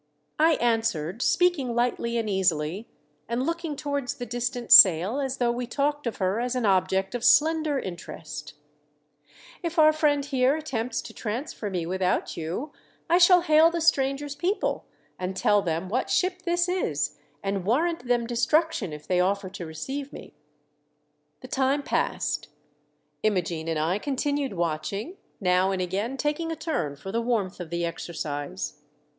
I answered, speaking lightly and easily, and looking towards the distant sail as though we talked of her as an object of slen der interest, "If our friend here attempts to transfer me without you, I shall hail the stranger's people and tell them what ship this is, and warrant them destruction if they offer to receive me." The time passed. Imogene and I con tinued watching, now and again taking a turn for the warmth of the exercise.